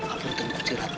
apunten gusti ratu